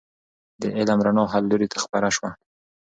د علم رڼا هر لوري ته خپره سوه.